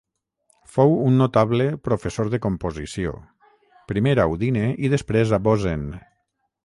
Fou un notable professor de composició, primer a Udine i després a Bozen.